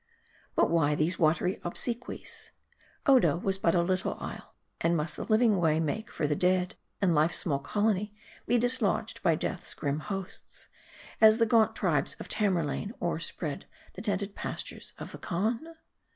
But why these watery obsequies ? Odo was but a little isle, and must the living make way for the dead, and Life's small colony be dislodged by Death's grim hosts ; as the gaunt tribes of Tamerlane o'erspread tho tented pastures of the Khan